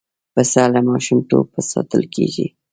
پسه له ماشومتوبه ساتل کېږي.